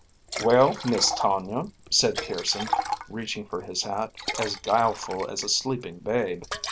"Well, Miss Tonia," said Pearson, reaching for his hat, as guileful as a sleeping babe.